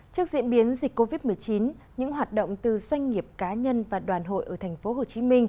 trước diễn biến dịch covid một mươi chín những hoạt động từ doanh nghiệp cá nhân và đoàn hội ở tp hcm